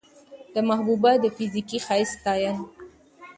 د محبوبا د فزيکي ښايست ستاينه